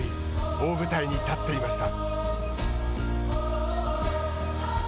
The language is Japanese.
大舞台に立っていました。